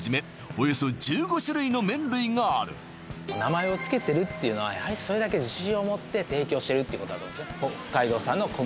およそ１５種類の麺類がある名前を付けてるっていうのはやはりそれだけ自信を持って提供してるっていうことだと思うんですね